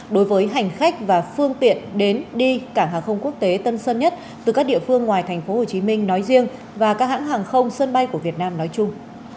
đối với hành khách và phương tiện đến đi cảng hàng không quốc tế tân sơn nhất từ các địa phương ngoài tp hcm nói riêng và các hãng hàng không sân bay của việt nam nói chung